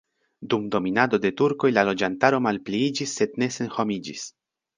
Dum dominado de turkoj la loĝantaro malpliiĝis sed ne senhomiĝis.